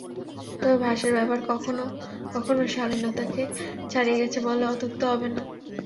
তবে ভাষার ব্যবহার কখনো কখনো শালীনতাকে ছাড়িয়ে গেছে বললে অত্যুক্তি হবে না।